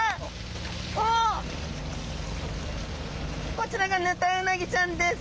こちらがヌタウナギちゃんです。